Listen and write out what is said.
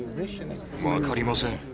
分かりません。